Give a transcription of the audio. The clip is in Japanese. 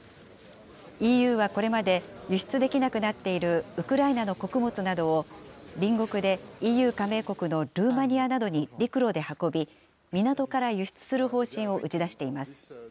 ＥＵはこれまで、輸出できなくなっているウクライナの穀物などを、隣国でＥＵ加盟国のルーマニアなどに陸路で運び、港から輸出する方針を打ち出しています。